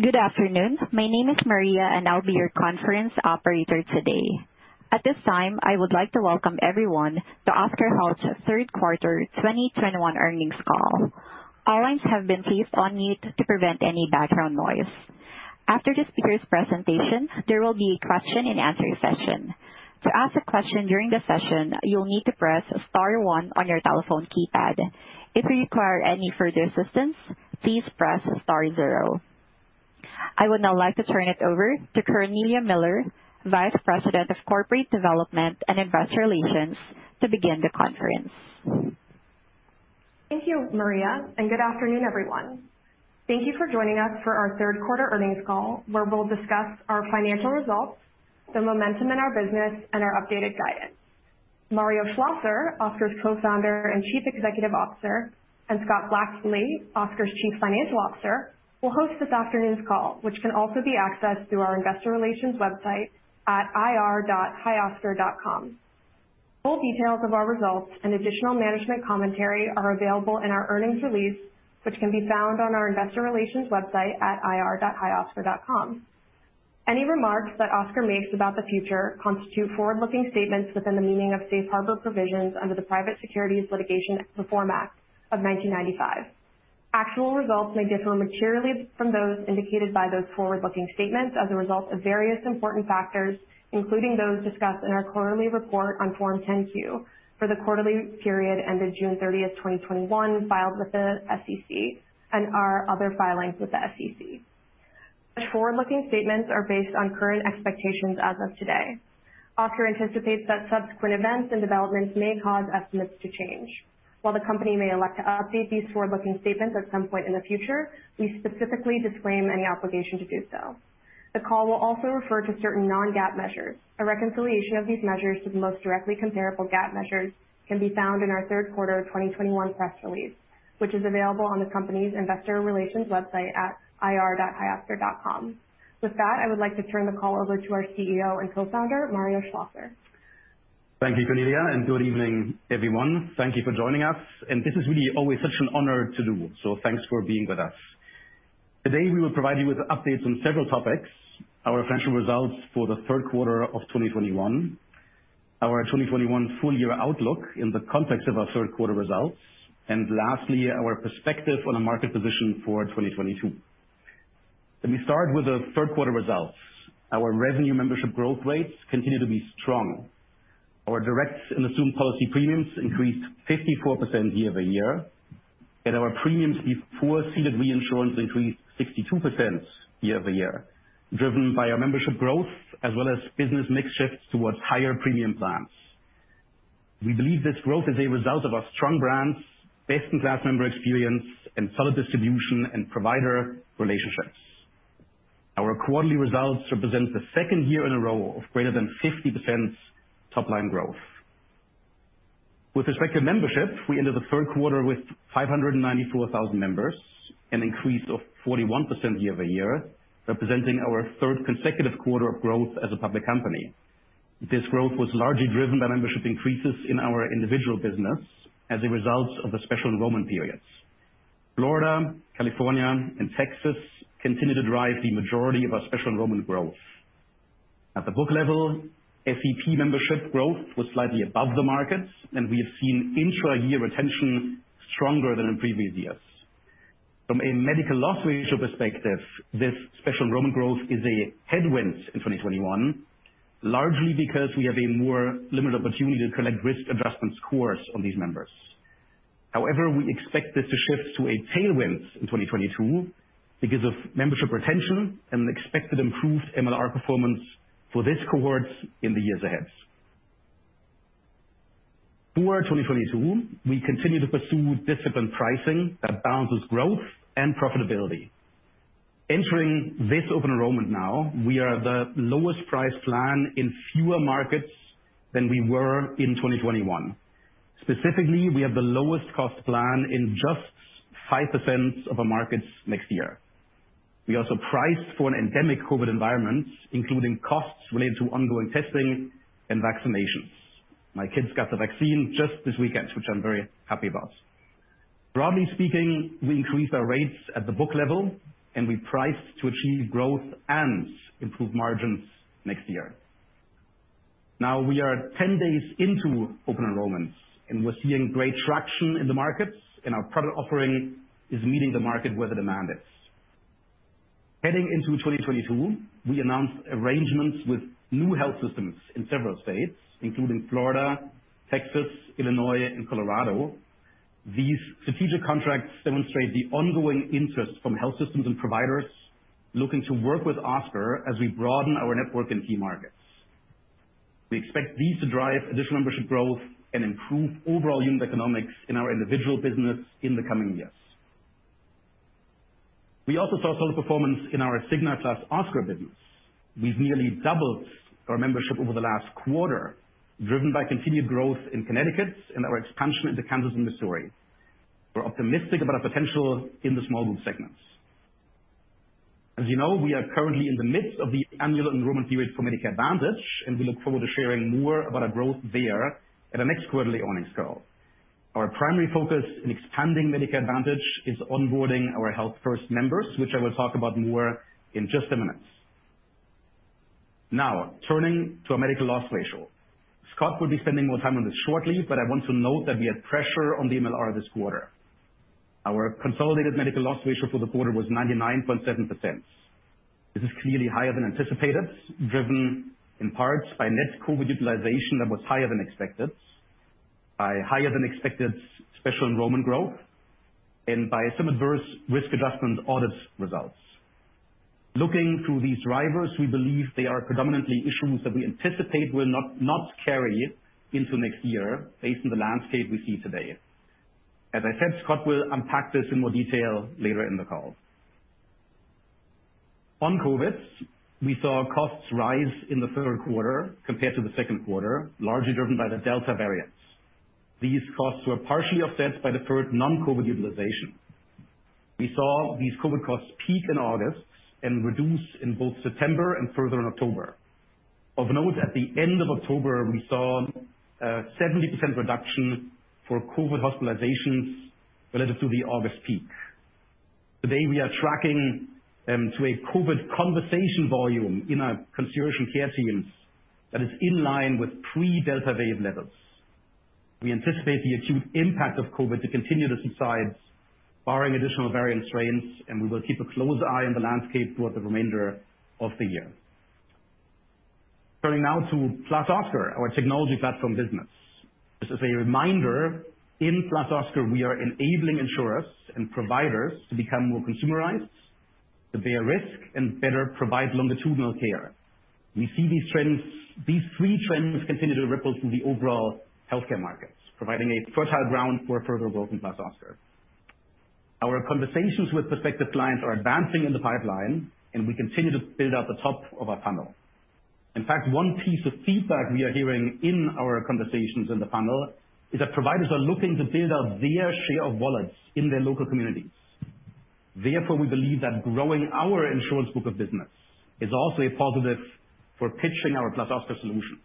Good afternoon. My name is Maria, and I'll be your conference operator today. At this time, I would like to welcome everyone to Oscar Health's Third Quarter 2021 Earnings Call. All lines have been placed on mute to prevent any background noise. After the speakers' presentation, there will be a question-and-answer session. To ask a question during the session, you'll need to press star one on your telephone keypad. If you require any further assistance, please press star zero. I would now like to turn it over to Cornelia Miller, Vice President of Corporate Development and Investor Relations, to begin the conference. Thank you, Maria, and good afternoon, everyone. Thank you for joining us for our third quarter earnings call, where we'll discuss our financial results, the momentum in our business, and our updated guidance. Mario Schlosser, Oscar's Co-Founder and Chief Executive Officer, and Scott Blackley, Oscar's Chief Financial Officer, will host this afternoon's call, which can also be accessed through our Investor Relations website at ir.hioscar.com. Full details of our results and additional management commentary are available in our earnings release, which can be found on our investor relations website at ir.hioscar.com. Any remarks that Oscar makes about the future constitute forward-looking statements within the meaning of safe harbor provisions under the Private Securities Litigation Reform Act of 1995. Actual results may differ materially from those indicated by those forward-looking statements as a result of various important factors, including those discussed in our quarterly report on Form 10-Q for the quarterly period ended June 30, 2021, filed with the SEC, and our other filings with the SEC. Such forward-looking statements are based on current expectations as of today. Oscar anticipates that subsequent events and developments may cause estimates to change. While the company may elect to update these forward-looking statements at some point in the future, we specifically disclaim any obligation to do so. The call will also refer to certain non-GAAP measures. A reconciliation of these measures to the most directly comparable GAAP measures can be found in our third quarter of 2021 press release, which is available on the company's Investor Relations website at ir.hioscar.com. With that, I would like to turn the call over to our CEO and Co-Founder, Mario Schlosser. Thank you, Cornelia, and good evening, everyone. Thank you for joining us. This is really always such an honor to do, so thanks for being with us. Today, we will provide you with updates on several topics, our financial results for the third quarter of 2021, our 2021 full-year outlook in the context of our third quarter results, and lastly, our perspective on the market position for 2022. Let me start with the third quarter results. Our revenue membership growth rates continue to be strong. Our direct and assumed policy premiums increased 54% year-over-year, and our premiums before ceded reinsurance increased 62% year-over-year, driven by our membership growth as well as business mix shift towards higher premium plans. We believe this growth is a result of our strong brands based on best-in-class member experience and solid distribution and provider relationships. Our quarterly results represent the second year in a row of greater than 50% top-line growth. With respect to membership, we ended the third quarter with 594,000 members, an increase of 41% year-over-year, representing our third consecutive quarter of growth as a public company. This growth was largely driven by membership increases in our individual business as a result of the special enrollment periods. Florida, California, and Texas continue to drive the majority of our special enrollment growth. At the book level, SEP membership growth was slightly above the market, and we have seen intra-year retention stronger than in previous years. From a medical loss ratio perspective, this special enrollment growth is a headwind in 2021, largely because we have a more limited opportunity to collect risk adjustment scores on these members. However, we expect this to shift to a tailwind in 2022 because of membership retention and expected improved MLR performance for this cohort in the years ahead. Through our 2022, we continue to pursue disciplined pricing that balances growth and profitability. Entering this open enrollment now, we are the lowest-priced plan in fewer markets than we were in 2021. Specifically, we have the lowest cost plan in just 5% of our markets next year. We also priced for an endemic COVID environment, including costs related to ongoing testing and vaccinations. My kids got the vaccine just this weekend, which I'm very happy about. Broadly speaking, we increased our rates at the book level, and we priced to achieve growth and improve margins next year. Now, we are 10 days into open enrollment, and we're seeing great traction in the markets, and our product offering is meeting the market where the demand is. Heading into 2022, we announced arrangements with new health systems in several states, including Florida, Texas, Illinois, and Colorado. These strategic contracts demonstrate the ongoing interest from health systems and providers looking to work with Oscar as we broaden our network in key markets. We expect these to drive additional membership growth and improve overall unit economics in our individual business in the coming years. We also saw solid performance in our Cigna + Oscar business. We've nearly doubled our membership over the last quarter, driven by continued growth in Connecticut and our expansion into Kansas and Missouri. We're optimistic about our potential in the small group segments. As you know, we are currently in the midst of the annual enrollment period for Medicare Advantage, and we look forward to sharing more about our growth there at our next quarterly earnings call. Our primary focus in expanding Medicare Advantage is onboarding our Health First members, which I will talk about more in just a minute. Now, turning to our medical loss ratio. Scott will be spending more time on this shortly, but I want to note that we had pressure on the MLR this quarter. Our consolidated medical loss ratio for the quarter was 99.7%. This is clearly higher than anticipated, driven in part by net COVID utilization that was higher than expected, by higher than expected special enrollment growth, and by some adverse risk adjustment audits results. Looking to these drivers, we believe they are predominantly issues that we anticipate will not carry into next year based on the landscape we see today. As I said, Scott will unpack this in more detail later in the call. On COVID, we saw costs rise in the third quarter compared to the second quarter, largely driven by the Delta variant. These costs were partially offset by deferred non-COVID utilization. We saw these COVID costs peak in August and reduce in both September and further in October. Of note, at the end of October, we saw a 70% reduction for COVID hospitalizations relative to the August peak. Today, we are tracking to a COVID conversation volume in our concierge care teams that is in line with pre-Delta wave levels. We anticipate the acute impact of COVID to continue to subside barring additional variant strains, and we will keep a close eye on the landscape throughout the remainder of the year. Turning now to +Oscar, our technology platform business. Just as a reminder, in +Oscar, we are enabling insurers and providers to become more consumerized, to bear risk, and better provide longitudinal care. We see these three trends continue to ripple through the overall healthcare markets, providing a fertile ground for further growth in +Oscar. Our conversations with prospective clients are advancing in the pipeline, and we continue to build out the top of our funnel. In fact, one piece of feedback we are hearing in our conversations in the funnel is that providers are looking to build out their share of wallets in their local communities. Therefore, we believe that growing our insurance book of business is also a positive for pitching our +Oscar solutions.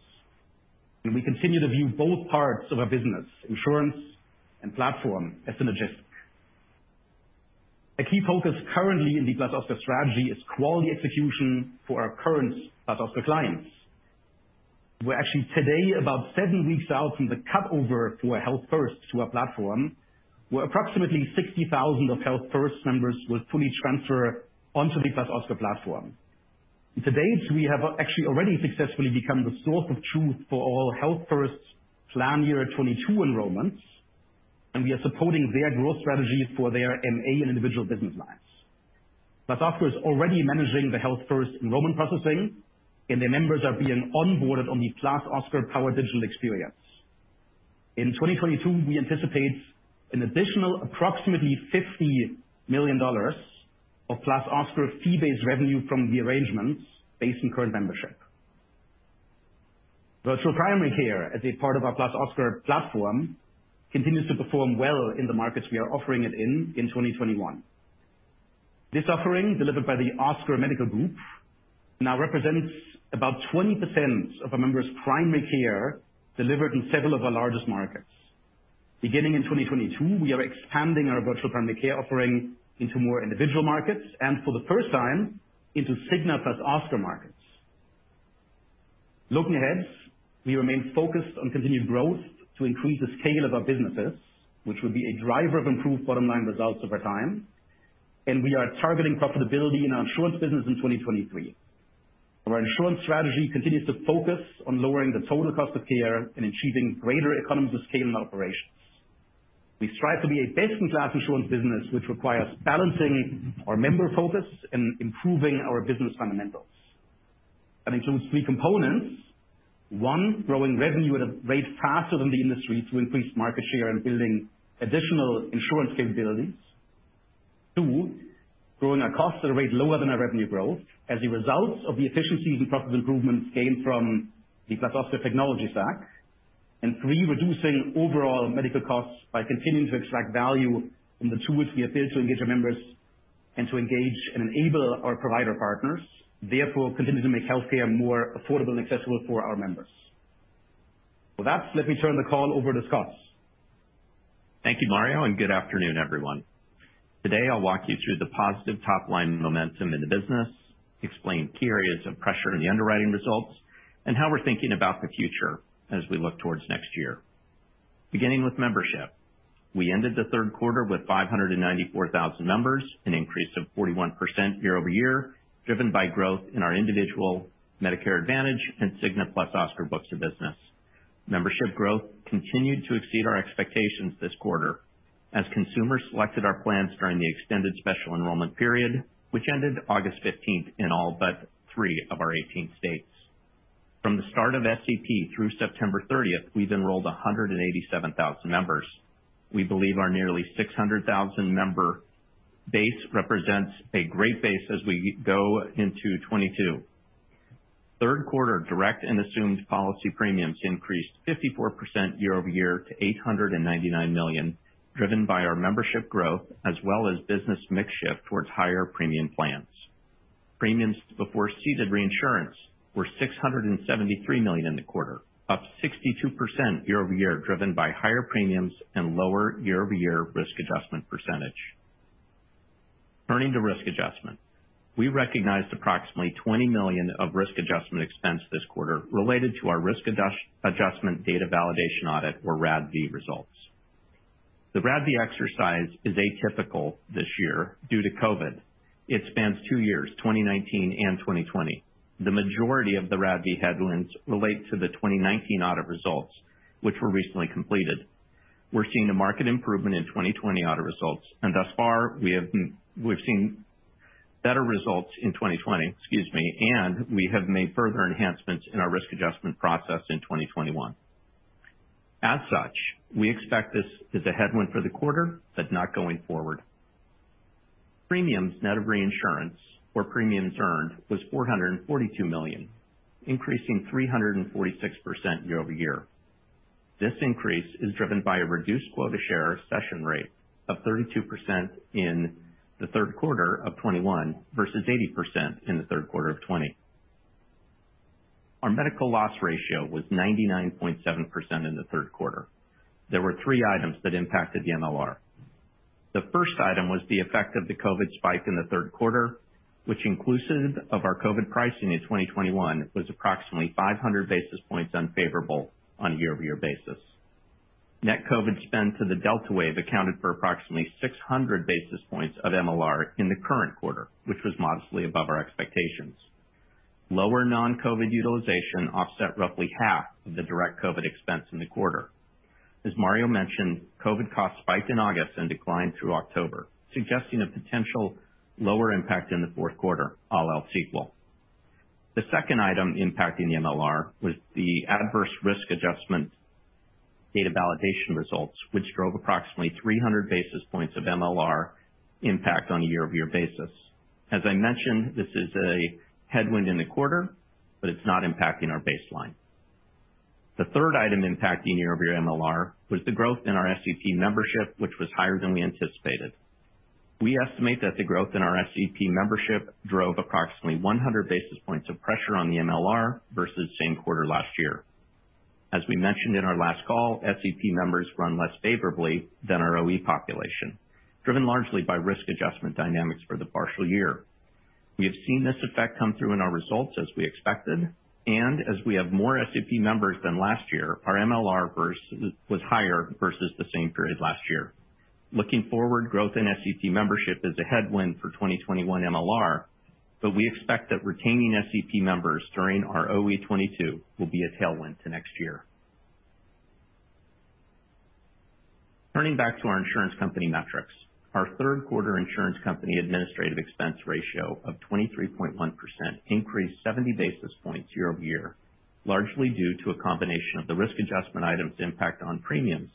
We continue to view both parts of our business, insurance and platform, as synergistic. A key focus currently in the +Oscar strategy is quality execution for our current +Oscar clients. We're actually today about 7 weeks out from the cut over to our Health First to our platform, where approximately 60,000 of Health First members will fully transfer onto the +Oscar platform. To date, we have actually already successfully become the source of truth for all Health First plan year 2022 enrollments, and we are supporting their growth strategies for their MA and individual business lines. +Oscar is already managing the Health First enrollment processing, and their members are being onboarded on the +Oscar-powered digital experience. In 2022, we anticipate an additional approximately $50 million of +Oscar fee-based revenue from the arrangements based on current membership. Virtual primary care as a part of our +Oscar platform continues to perform well in the markets we are offering it in in 2021. This offering, delivered by the Oscar Medical Group, now represents about 20% of our members' primary care delivered in several of our largest markets. Beginning in 2022, we are expanding our virtual primary care offering into more individual markets, and for the first time, into Cigna +Oscar markets. Looking ahead, we remain focused on continued growth to increase the scale of our businesses, which will be a driver of improved bottom-line results over time, and we are targeting profitability in our insurance business in 2023. Our insurance strategy continues to focus on lowering the total cost of care and achieving greater economies of scale in our operations. We strive to be a best-in-class insurance business, which requires balancing our member focus and improving our business fundamentals. That includes three components. One, growing revenue at a rate faster than the industry to increase market share and building additional insurance capabilities. Two, growing our costs at a rate lower than our revenue growth as a result of the efficiencies and profit improvements gained from the +Oscar technology stack. Three, reducing overall medical costs by continuing to extract value from the tools we have built to engage our members and to engage and enable our provider partners, therefore continuing to make healthcare more affordable and accessible for our members. With that, let me turn the call over to Scott. Thank you, Mario, and good afternoon, everyone. Today, I'll walk you through the positive top-line momentum in the business, explain key areas of pressure in the underwriting results, and how we're thinking about the future as we look towards next year. Beginning with membership. We ended the third quarter with 594,000 members, an increase of 41% year-over-year, driven by growth in our individual Medicare Advantage and Cigna + Oscar books of business. Membership growth continued to exceed our expectations this quarter as consumers selected our plans during the extended special enrollment period, which ended August 15 in all but three of our 18 states. From the start of SEP through September 30, we've enrolled 187,000 members. We believe our nearly 600,000 member base represents a great base as we go into 2022. Third quarter direct and assumed policy premiums increased 54% year-over-year to $899 million, driven by our membership growth as well as business mix shift towards higher premium plans. Premiums before ceded reinsurance were $673 million in the quarter, up 62% year-over-year, driven by higher premiums and lower year-over-year risk adjustment percentage. Turning to risk adjustment. We recognized approximately $20 million of risk adjustment expense this quarter related to our risk adjustment data validation audit or RADV results. The RADV exercise is atypical this year due to COVID. It spans two years, 2019 and 2020. The majority of the RADV headwinds relate to the 2019 audit results, which were recently completed. We're seeing a market improvement in 2020 audit results. We've seen better results in 2020, excuse me, and we have made further enhancements in our risk adjustment process in 2021. As such, we expect this as a headwind for the quarter, but not going forward. Premiums net of reinsurance or premiums earned was $442 million, increasing 346% year-over-year. This increase is driven by a reduced quota share cession rate of 32% in the third quarter of 2021 versus 80% in the third quarter of 2020. Our medical loss ratio was 99.7% in the third quarter. There were three items that impacted the MLR. The first item was the effect of the COVID spike in the third quarter, which inclusive of our COVID pricing in 2021, was approximately 500 basis points unfavorable on a year-over-year basis. Net COVID spend to the Delta wave accounted for approximately 600 basis points of MLR in the current quarter, which was modestly above our expectations. Lower non-COVID utilization offset roughly half of the direct COVID expense in the quarter. As Mario mentioned, COVID costs spiked in August and declined through October, suggesting a potential lower impact in the fourth quarter, all else equal. The second item impacting the MLR was the adverse risk adjustment data validation results, which drove approximately 300 basis points of MLR impact on a year-over-year basis. As I mentioned, this is a headwind in the quarter, but it's not impacting our baseline. The third item impacting year-over-year MLR was the growth in our SEP membership, which was higher than we anticipated. We estimate that the growth in our SEP membership drove approximately 100 basis points of pressure on the MLR versus same quarter last year. As we mentioned in our last call, SEP members run less favorably than our OE population, driven largely by risk adjustment dynamics for the partial year. We have seen this effect come through in our results as we expected, and as we have more SEP members than last year, our MLR was higher versus the same period last year. Looking forward, growth in SEP membership is a headwind for 2021 MLR, but we expect that retaining SEP members during our OE 2022 will be a tailwind to next year. Turning back to our insurance company metrics. Our third quarter insurance company administrative expense ratio of 23.1% increased 70 basis points year-over-year, largely due to a combination of the risk adjustment items impact on premiums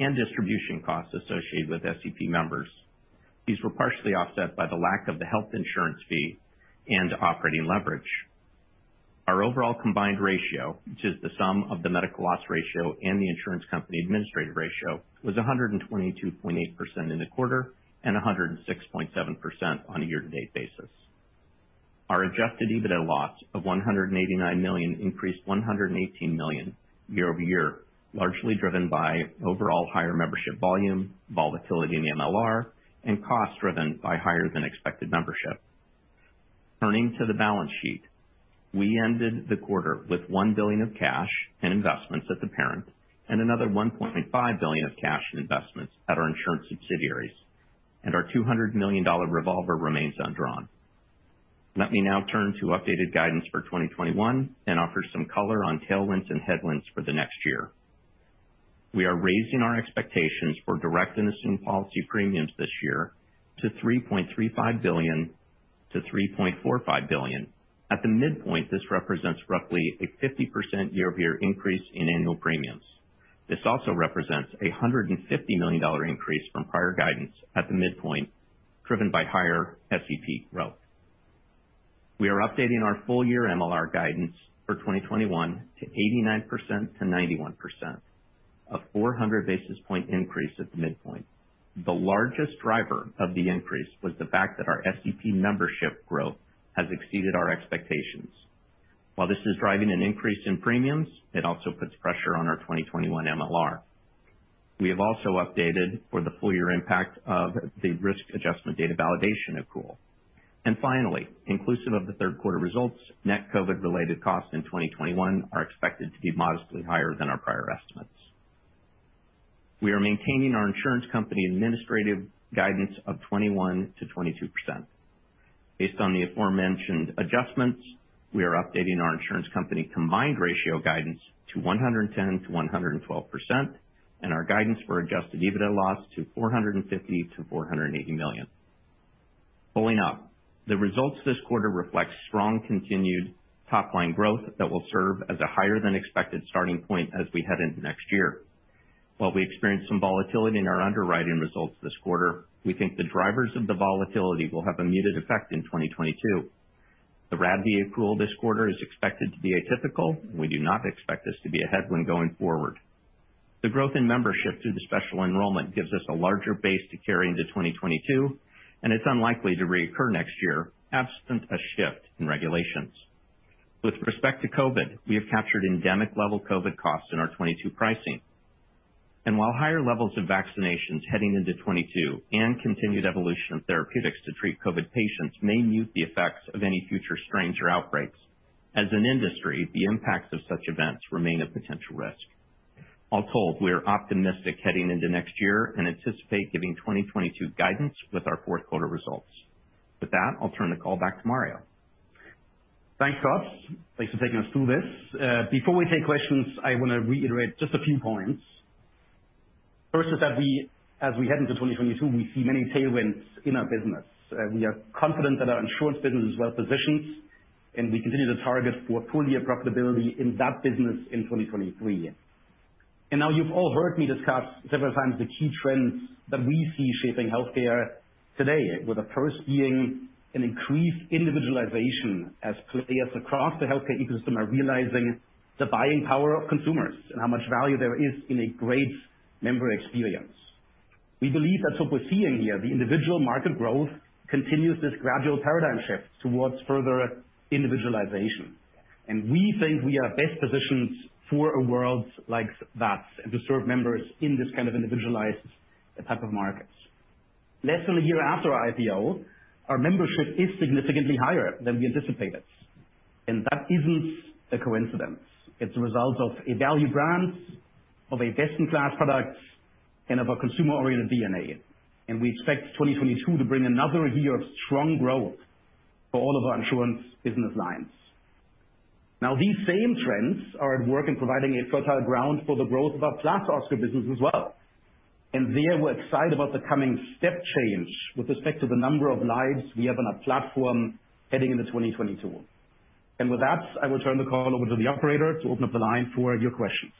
and distribution costs associated with SEP members. These were partially offset by the lack of the health insurance fee and operating leverage. Our overall combined ratio, which is the sum of the medical loss ratio and the insurance company administrative ratio, was 122.8% in the quarter and 106.7% on a year-to-date basis. Our adjusted EBITDA loss of $189 million increased $118 million year-over-year, largely driven by overall higher membership volume, volatility in MLR and cost driven by higher than expected membership. Turning to the balance sheet. We ended the quarter with $1 billion of cash and investments at the parent and another $1.5 billion of cash and investments at our insurance subsidiaries, and our $200 million revolver remains undrawn. Let me now turn to updated guidance for 2021 and offer some color on tailwinds and headwinds for the next year. We are raising our expectations for direct and assumed policy premiums this year to $3.35 billion to $3.45 billion. At the midpoint, this represents roughly a 50% year-over-year increase in annual premiums. This also represents a $150 million increase from prior guidance at the midpoint driven by higher SEP growth. We are updating our full-year MLR guidance for 2021 to 89%-91%. A 400 basis point increase at the midpoint. The largest driver of the increase was the fact that our SEP membership growth has exceeded our expectations. While this is driving an increase in premiums, it also puts pressure on our 2021 MLR. We have also updated for the full-year impact of the risk adjustment data validation accrual. Finally, inclusive of the third quarter results, net COVID-related costs in 2021 are expected to be modestly higher than our prior estimates. We are maintaining our insurance company administrative guidance of 21%-22%. Based on the aforementioned adjustments, we are updating our insurance company combined ratio guidance to 110%-112% and our guidance for adjusted EBITDA loss to $450 million to $480 million. Following up, the results this quarter reflects strong continued top-line growth that will serve as a higher than expected starting point as we head into next year. While we experienced some volatility in our underwriting results this quarter, we think the drivers of the volatility will have a muted effect in 2022. The RADV approval this quarter is expected to be atypical. We do not expect this to be a headwind going forward. The growth in membership through the special enrollment gives us a larger base to carry into 2022, and it's unlikely to reoccur next year, absent a shift in regulations. With respect to COVID, we have captured endemic-level COVID costs in our 2022 pricing. While higher levels of vaccinations heading into 2022 and continued evolution of therapeutics to treat COVID patients may mute the effects of any future strains or outbreaks, as an industry, the impacts of such events remain a potential risk. All told, we are optimistic heading into next year and anticipate giving 2022 guidance with our fourth quarter results. With that, I'll turn the call back to Mario. Thanks, Scott. Thanks for taking us through this. Before we take questions, I wanna reiterate just a few points. First is that we, as we head into 2022, we see many tailwinds in our business. We are confident that our insurance business is well-positioned, and we continue to target for full-year profitability in that business in 2023. Now you've all heard me discuss several times the key trends that we see shaping healthcare today, with the first being an increased individualization as players across the healthcare ecosystem are realizing the buying power of consumers and how much value there is in a great member experience. We believe that what we're seeing here, the individual market growth, continues this gradual paradigm shift towards further individualization. We think we are best positioned for a world like that and to serve members in this kind of individualized type of markets. Less than a year after our IPO, our membership is significantly higher than we anticipated, and that isn't a coincidence. It's a result of a value brand, of a best-in-class product, and of a consumer-oriented DNA. We expect 2022 to bring another year of strong growth for all of our insurance business lines. Now, these same trends are at work in providing a fertile ground for the growth of our +Oscar business as well. There, we're excited about the coming step change with respect to the number of lives we have on our platform heading into 2022. With that, I will turn the call over to the operator to open up the line for your questions.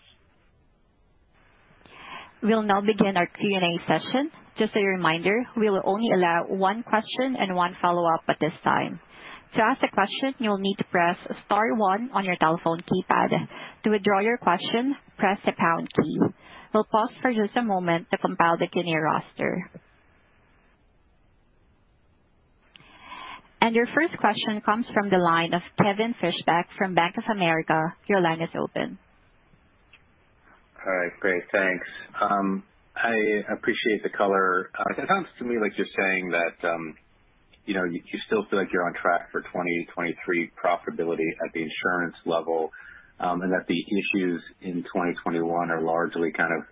We'll now begin our Q&A session. Just a reminder, we will only allow one question and one follow-up at this time. To ask a question, you'll need to press star one on your telephone keypad. To withdraw your question, press the pound key. We'll pause for just a moment to compile the question roster. Your first question comes from the line of Kevin Fischbeck from Bank of America. Your line is open. All right, great. Thanks. I appreciate the color. It sounds to me like you're saying that, you know, you still feel like you're on track for 2023 profitability at the insurance level, and that the issues in 2021 are largely kind of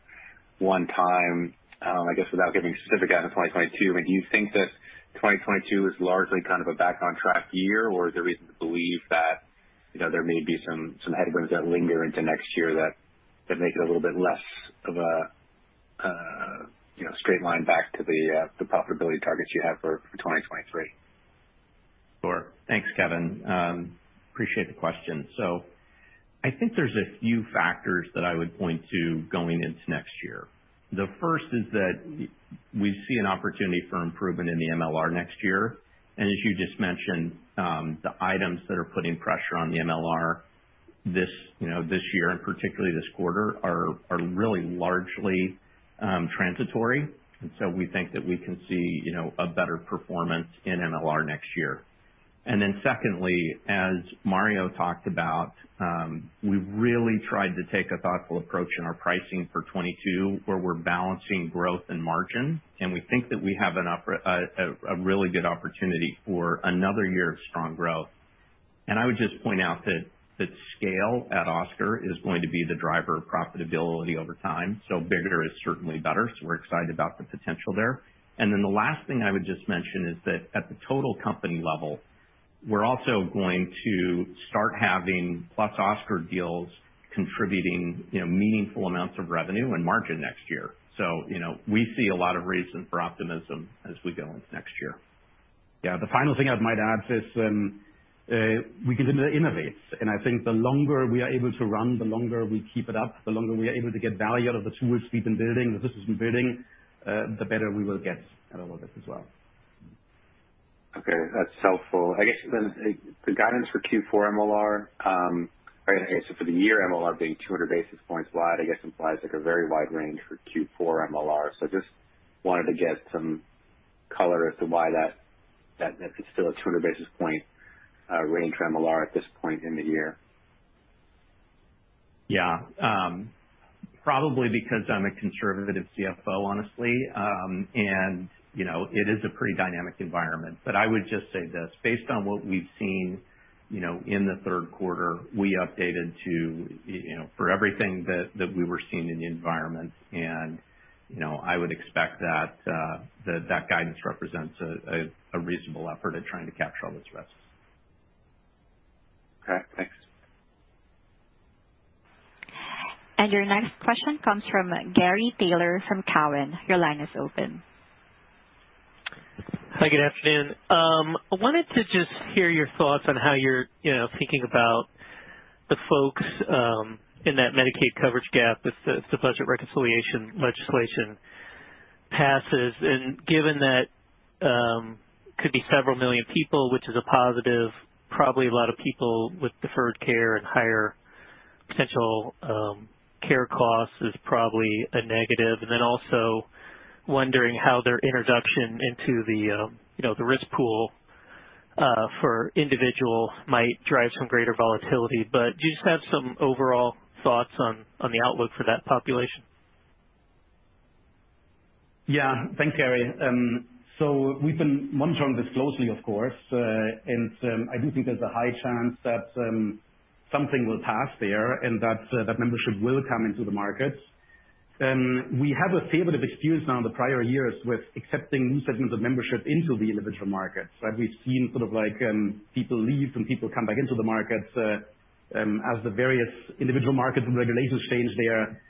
one-time. I guess without giving specific guidance for 2022, I mean, do you think that 2022 is largely kind of a back-on-track year, or is there reason to believe that, you know, there may be some headwinds that linger into next year that make it a little bit less of a, you know, straight line back to the profitability targets you have for 2023? Sure. Thanks, Kevin. Appreciate the question. I think there's a few factors that I would point to going into next year. The first is that we see an opportunity for improvement in the MLR next year. As you just mentioned, the items that are putting pressure on the MLR this year, and particularly this quarter, are really largely transitory. We think that we can see a better performance in MLR next year. Secondly, as Mario talked about, we've really tried to take a thoughtful approach in our pricing for 2022, where we're balancing growth and margin, and we think that we have a really good opportunity for another year of strong growth. I would just point out that scale at Oscar is going to be the driver of profitability over time. Bigger is certainly better. We're excited about the potential there. Then the last thing I would just mention is that at the total company level, we're also going to start having +Oscar deals contributing, you know, meaningful amounts of revenue and margin next year. You know, we see a lot of reason for optimism as we go into next year. Yeah. The final thing I might add is, we continue to innovate, and I think the longer we are able to run, the longer we keep it up, the longer we are able to get value out of the tools we've been building, the systems we're building, the better we will get at all of this as well. Okay, that's helpful. I guess then the guidance for Q4 MLR, or I guess for the year MLR being 200 basis points wide, I guess implies like a very wide range for Q4 MLR. I just wanted to get some color as to why that it's still a 200 basis point range for MLR at this point in the year. Probably because I'm a conservative CFO, honestly. You know, it is a pretty dynamic environment. I would just say this, based on what we've seen, you know, in the third quarter, we updated to, you know, for everything that we were seeing in the environment. You know, I would expect that guidance represents a reasonable effort at trying to capture all those risks. Okay, thanks. Your next question comes from Gary Taylor from Cowen. Your line is open. Hi, good afternoon. I wanted to just hear your thoughts on how you're, you know, thinking about the folks in that Medicaid coverage gap if the budget reconciliation legislation passes. Given that could be several million people, which is a positive, probably a lot of people with deferred care and higher potential care costs is probably a negative. Then also wondering how their introduction into the, you know, the risk pool for individual might drive some greater volatility. Do you just have some overall thoughts on the outlook for that population? Yeah. Thanks, Gary. We've been monitoring this closely, of course. I do think there's a high chance that something will pass there and that membership will come into the markets. We have a fair bit of experience now in the prior years with accepting new segments of membership into the individual markets, right? We've seen sort of like, people leave, some people come back into the markets, as the various individual markets and regulations change there.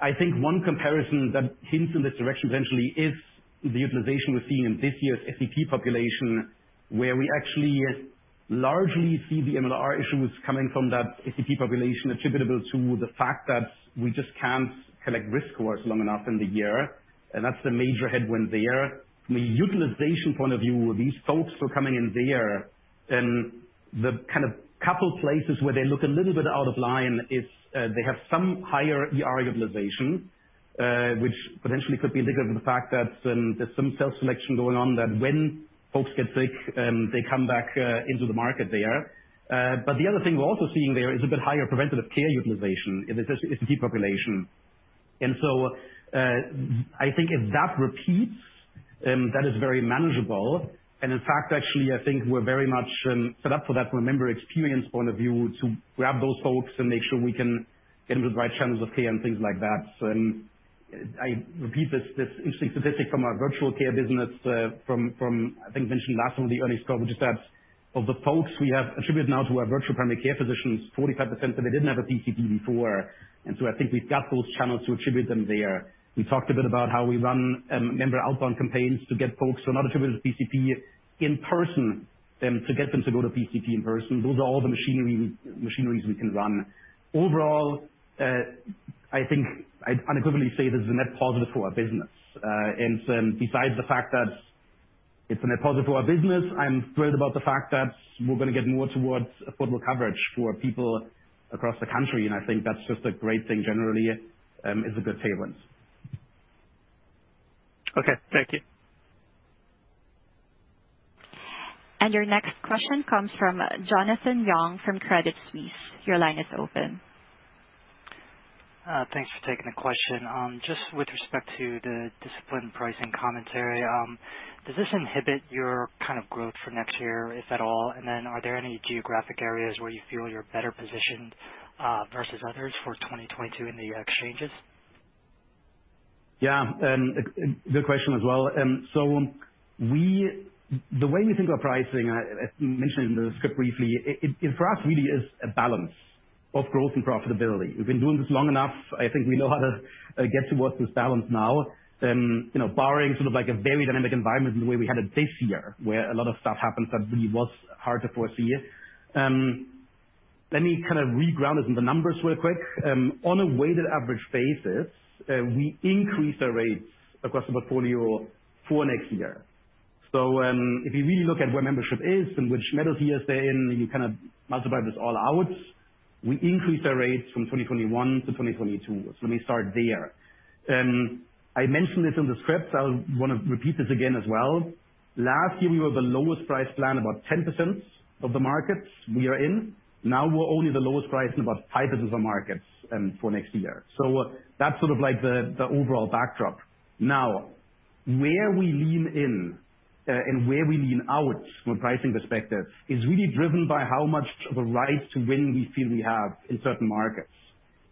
I think one comparison that hints in this direction eventually is the utilization we're seeing in this year's FEP population, where we actually largely see the MLR issues coming from that FEP population attributable to the fact that we just can't collect risk scores long enough in the year, and that's the major headwind there. From a utilization point of view, these folks who are coming in there, the kind of couple places where they look a little bit out of line is, they have some higher ER utilization, which potentially could be linked to the fact that, there's some self-selection going on, that when folks get sick, they come back, into the market there. But the other thing we're also seeing there is a bit higher preventative care utilization in this FEP population. I think if that repeats, that is very manageable. In fact, actually I think we're very much, set up for that from a member experience point of view to grab those folks and make sure we can get them the right channels of care and things like that. I repeat this interesting statistic from our virtual care business, from I think mentioned last one of the earnings call, which is that of the folks we have attributed now to our virtual primary care physicians, 45% said they didn't have a PCP before. I think we've got those channels to attribute them there. We talked a bit about how we run member outbound campaigns to get folks who are not attributed to PCP in person to get them to go to PCP in person. Those are all the machineries we can run. Overall, I think I'd unequivocally say this is a net positive for our business. Besides the fact that it's a net positive for our business, I'm thrilled about the fact that we're gonna get more towards affordable coverage for people across the country, and I think that's just a great thing generally is a good tailwind. Okay. Thank you. Your next question comes from Jonathan Yong from Credit Suisse. Your line is open. Thanks for taking the question. Just with respect to the disciplined pricing commentary, does this inhibit your kind of growth for next year, if at all? Are there any geographic areas where you feel you're better positioned versus others for 2022 in the exchanges? Good question as well. The way we think about pricing, I mentioned in the script briefly, it for us really is a balance of growth and profitability. We've been doing this long enough. I think we know how to get towards this balance now. You know, barring sort of like a very dynamic environment in the way we had it this year, where a lot of stuff happened that really was hard to foresee. Let me kind of reground it in the numbers real quick. On a weighted average basis, we increased our rates across the portfolio for next year. If you really look at where membership is and which metal tier they're in, and you kind of multiply this all out, we increased our rates from 2021-2022. Let me start there. I mentioned this in the script. I'll wanna repeat this again as well. Last year we were the lowest priced plan about 10% of the markets we are in. Now we're only the lowest price in about 5% of the markets for next year. That's sort of like the overall backdrop. Now, where we lean in and where we lean out from a pricing perspective is really driven by how much of a right to win we feel we have in certain markets.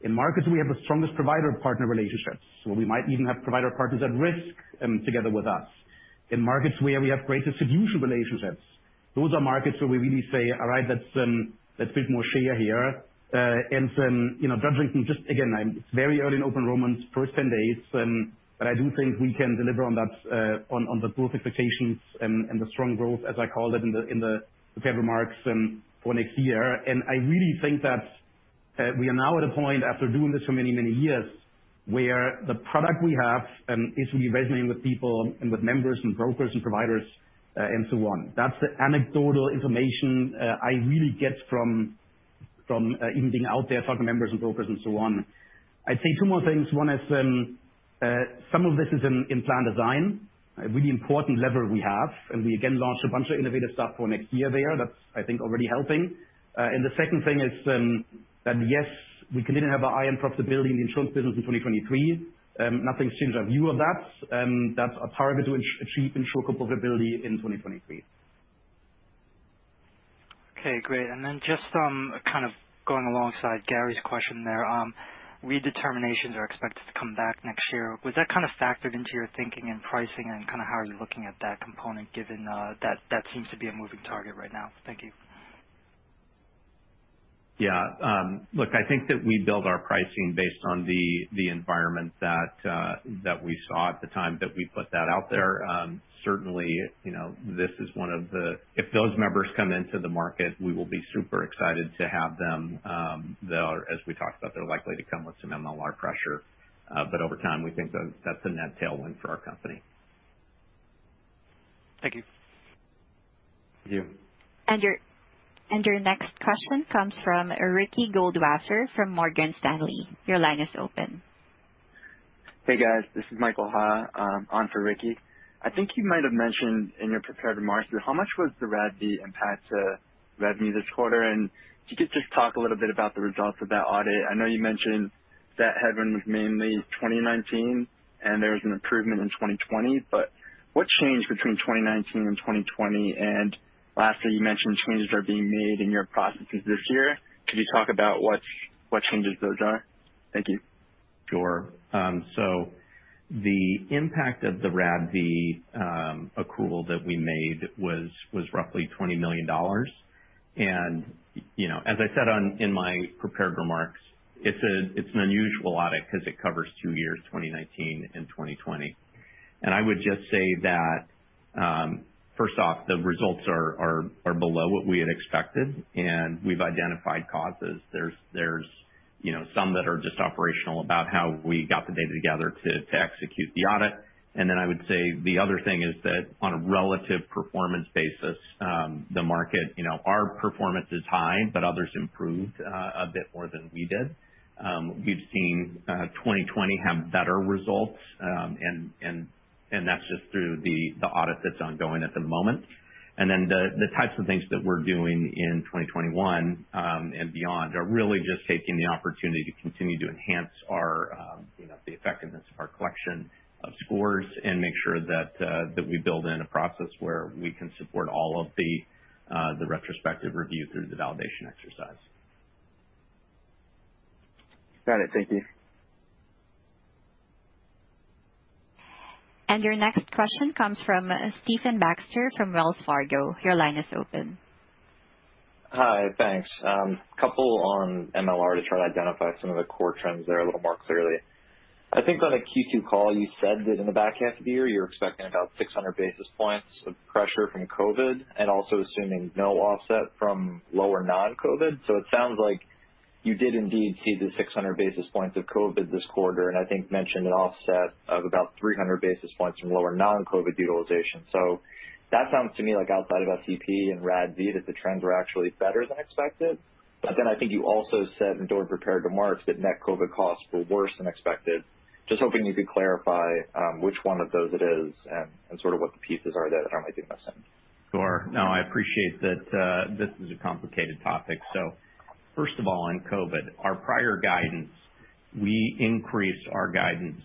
In markets we have the strongest provider partner relationships, where we might even have provider partners at risk together with us. In markets where we have greater solution relationships, those are markets where we really say, "All right, let's build more share here." You know, judging from just, again, it's very early in open enrollment, first 10 days, but I do think we can deliver on that, on the growth expectations and the strong growth, as I called it in the prepared remarks, for next year. I really think that we are now at a point after doing this for many, many years, where the product we have is really resonating with people and with members and brokers and providers, and so on. That's the anecdotal information I really get from even being out there talking to members and brokers and so on. I'd say two more things. One is, some of this is in plan design, a really important lever we have, and we again launched a bunch of innovative stuff for next year there. That's, I think, already helping. The second thing is, that yes, we continue to have our eye on profitability in the insurance business in 2023. Nothing's changed our view of that. That's a priority to achieve insurer profitability in 2023. Okay, great. Just kind of going alongside Gary's question there, redeterminations are expected to come back next year. Was that kind of factored into your thinking and pricing and kind of how you're looking at that component given that seems to be a moving target right now? Thank you. Look, I think that we build our pricing based on the environment that we saw at the time that we put that out there. Certainly, you know, if those members come into the market, we will be super excited to have them. As we talked about, they're likely to come with some MLR pressure. Over time, we think that's a net tailwind for our company. Thank you. Thank you. Your next question comes from Ricky Goldwasser from Morgan Stanley. Your line is open. Hey, guys, this is Michael Ha on for Ricky. I think you might have mentioned in your prepared remarks here how much was the RADV impact to revenue this quarter? And if you could just talk a little bit about the results of that audit. I know you mentioned that it was mainly 2019 and there was an improvement in 2020, but what changed between 2019 and 2020? And lastly, you mentioned changes are being made in your processes this year. Could you talk about what changes those are? Thank you. Sure. The impact of the RADV accrual that we made was roughly $20 million. You know, as I said in my prepared remarks, it's an unusual audit 'cause it covers two years, 2019 and 2020. I would just say that, first off, the results are below what we had expected, and we've identified causes. There's you know, some that are just operational about how we got the data together to execute the audit. I would say the other thing is that on a relative performance basis, the market, you know, our performance is high, but others improved a bit more than we did. We've seen 2020 have better results. And that's just through the audit that's ongoing at the moment. The types of things that we're doing in 2021 and beyond are really just taking the opportunity to continue to enhance our you know the effectiveness of our collection of scores and make sure that we build in a process where we can support all of the retrospective review through the validation exercise. Got it. Thank you. Your next question comes from Stephen Baxter from Wells Fargo. Your line is open. Hi. Thanks. A couple on MLR to try to identify some of the core trends there a little more clearly. I think on a Q2 call, you said that in the back half of the year you're expecting about 600 basis points of pressure from COVID and also assuming no offset from lower non-COVID. It sounds like you did indeed see the 600 basis points of COVID this quarter, and you mentioned an offset of about 300 basis points from lower non-COVID utilization. That sounds to me like outside of SEP and RADV, the trends were actually better than expected. I think you also said during prepared remarks that net COVID costs were worse than expected. Just hoping you could clarify, which one of those it is and sort of what the pieces are that I might be missing. Sure. No, I appreciate that, this is a complicated topic. First of all, on COVID, our prior guidance, we increased our guidance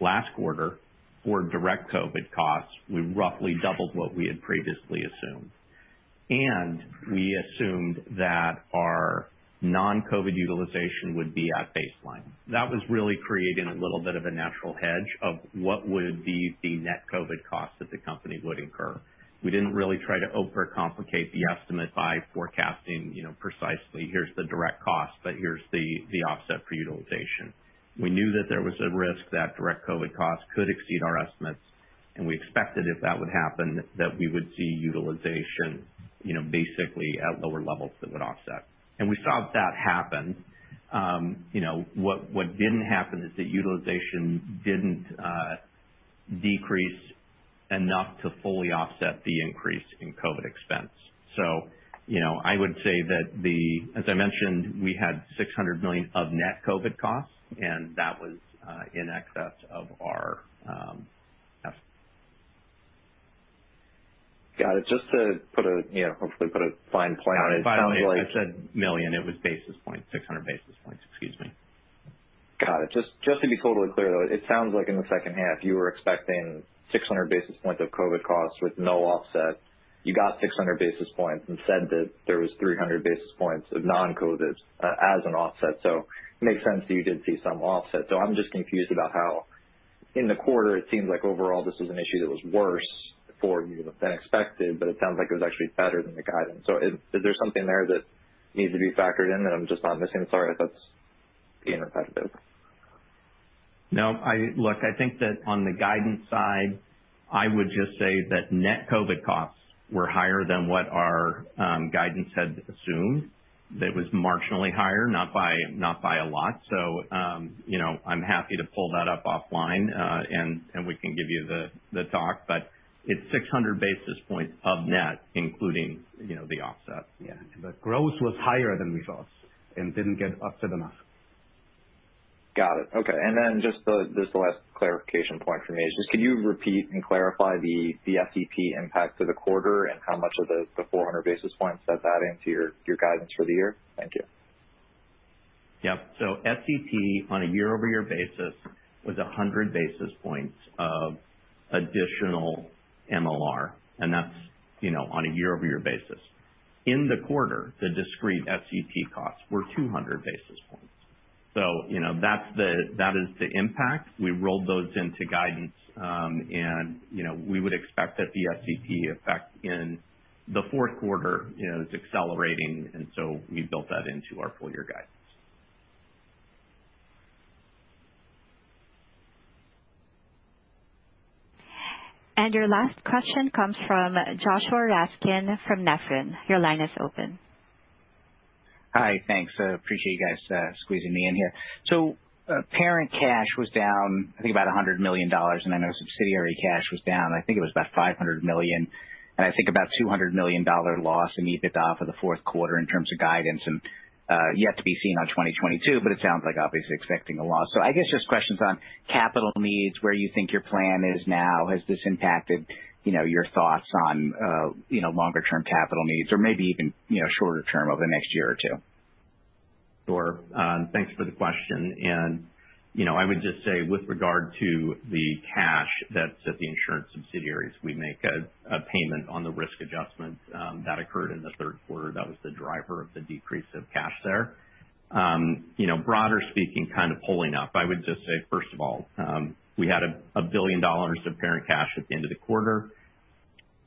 last quarter for direct COVID costs. We roughly doubled what we had previously assumed, and we assumed that our non-COVID utilization would be at baseline. That was really creating a little bit of a natural hedge of what would be the net COVID costs that the company would incur. We didn't really try to overcomplicate the estimate by forecasting, you know, precisely here's the direct cost, but here's the offset for utilization. We knew that there was a risk that direct COVID costs could exceed our estimates, and we expected if that would happen, that we would see utilization, you know, basically at lower levels that would offset. We saw that happen. You know, what didn't happen is that utilization didn't decrease enough to fully offset the increase in COVID expense. You know, I would say that, as I mentioned, we had $600 million of net COVID costs, and that was in excess of our estimates. Got it. Just to put a, you know, hopefully put a fine point on it. By the way, if I said million, it was basis points. 600 basis points. Excuse me. Got it. Just to be totally clear, though, it sounds like in the second half you were expecting 600 basis points of COVID costs with no offset. You got 600 basis points and said that there was 300 basis points of non-COVID as an offset, so it makes sense that you did see some offset. I'm just confused about how in the quarter it seems like overall this is an issue that was worse for you than expected, but it sounds like it was actually better than the guidance. Is there something there that needs to be factored in that I'm just not missing? Sorry if that's being repetitive. No. Look, I think that on the guidance side, I would just say that net COVID costs were higher than what our guidance had assumed. It was marginally higher, not by a lot. You know, I'm happy to pull that up offline, and we can give you the doc, but it's 600 basis points of net, including, you know, the offset. The growth was higher than we thought and didn't get up to the mark. Got it. Okay. Just the last clarification point for me is just can you repeat and clarify the SEP impact to the quarter and how much of the 400 basis points does that into your guidance for the year? Thank you. SEP on a year-over-year basis was 100 basis points of additional MLR, and that's, you know, on a year-over-year basis. In the quarter, the discrete SEP costs were 200 basis points. You know, that is the impact. We rolled those into guidance, and, you know, we would expect that the SEP effect in the fourth quarter, you know, is accelerating, and we built that into our full year guidance. Your last question comes from Joshua Raskin from Nephron. Your line is open. Hi. Thanks. I appreciate you guys squeezing me in here. Parent cash was down, I think, about $100 million, and I know subsidiary cash was down, I think it was about $500 million. I think about $200 million dollar loss in EBITDA for the fourth quarter in terms of guidance and yet to be seen on 2022, but it sounds like obviously expecting a loss. I guess just questions on capital needs, where you think your plan is now. Has this impacted, you know, your thoughts on, you know, longer term capital needs or maybe even, you know, shorter term over the next year or two? Sure. Thanks for the question. You know, I would just say with regard to the cash that's at the insurance subsidiaries, we make a payment on the risk adjustment that occurred in the third quarter. That was the driver of the decrease of cash there. You know, broadly speaking, kind of pulling up, I would just say, first of all, we had $1 billion of parent cash at the end of the quarter.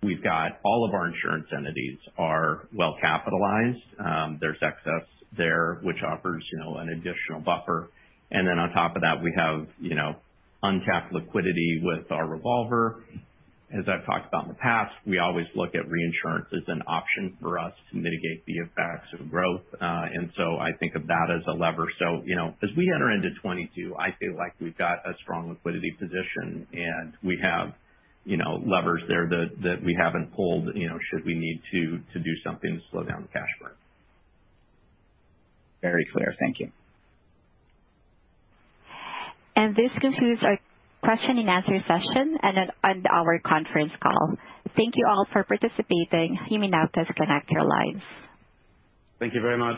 We've got all of our insurance entities are well capitalized. There's excess there, which offers, you know, an additional buffer. Then on top of that, we have, you know, untapped liquidity with our revolver. As I've talked about in the past, we always look at reinsurance as an option for us to mitigate the effects of growth. I think of that as a lever. As we enter into 2022, I feel like we've got a strong liquidity position, and we have, you know, levers there that we haven't pulled, you know, should we need to do something to slow down the cash burn. Very clear. Thank you. This concludes our question-and-answer session and our conference call. Thank you all for participating. You may now disconnect your line. Thank you very much.